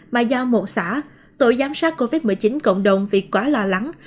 mà do một xã tổ giám sát covid một mươi chín cộng đồng vì quá lo lắng